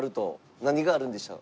何があるんでしょう？